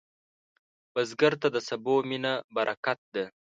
بزګر ته د سبو مینه برکت ده